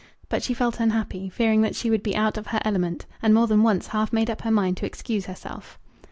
But she felt unhappy, fearing that she would be out of her element, and more than once half made up her mind to excuse herself.